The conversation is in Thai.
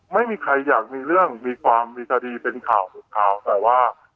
ไม่มีใครอยากมีเรื่องมีความมีคดีเป็นข่าวแต่ว่า